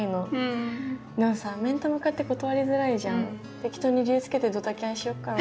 適当に理由つけてドタキャンしよっかな。